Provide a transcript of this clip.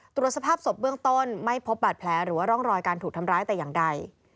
ตรวจสภาพศพเบื้องต้นไม่พบบาดแผลหรือว่าร่องรอยการถูกทำร้ายแต่อย่างใด